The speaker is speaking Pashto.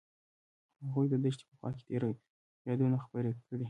هغوی د دښته په خوا کې تیرو یادونو خبرې کړې.